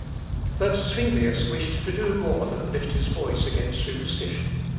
But Zuinglius wished to do more than lift his voice against superstition.